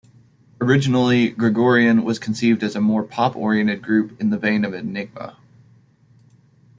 Originally, Gregorian was conceived as a more pop-oriented group in the vein of Enigma.